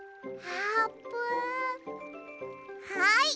はい！